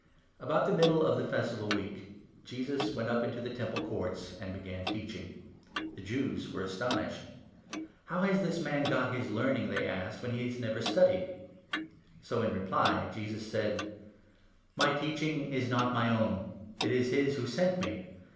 13 About the middle of the Festival week, Jesus 14 at the Festival went up into the Temple Courts, and began. of Tabernacles teaching. The Jews were astonished. 15 in Jerusalem. " How has this man got his learning," they asked, " when he has never studied ?" So, in reply, Jesus said : 16 " My teaching is not my own ; it is his who sent me.